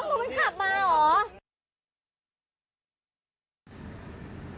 รถมันขับมาเหรอ